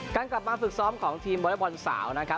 กลับมาฝึกซ้อมของทีมวอเล็กบอลสาวนะครับ